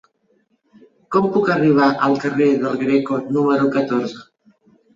Com puc arribar al carrer del Greco número catorze?